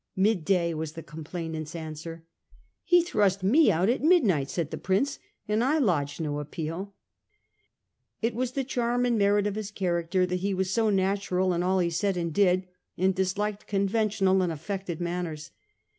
Midday !' was the complainant's answer. ' He thrust me out at midnight !' said the prince, ' and I lodged no appeal !' It was the charm and merit of his character that he was so natural in all he said and did, and disliked conventional and affected manners.